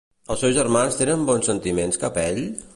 Els seus germans tenen bons sentiments cap a ell?